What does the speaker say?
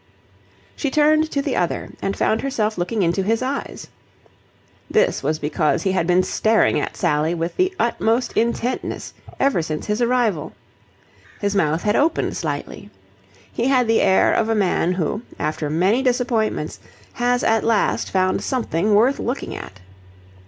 She turned to the other and found herself looking into his eyes. This was because he had been staring at Sally with the utmost intentness ever since his arrival. His mouth had opened slightly. He had the air of a man who, after many disappointments, has at last found something worth looking at.